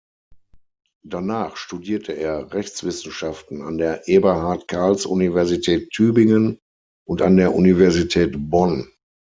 Danach studierte er Rechtswissenschaften an der Eberhard-Karls-Universität Tübingen und an der Universität Bonn.